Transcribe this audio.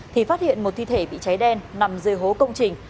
thì phát hiện một thi thể bị cháy đen nằm dưới hố công trình